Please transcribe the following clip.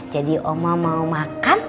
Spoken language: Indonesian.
jadi oma mau makan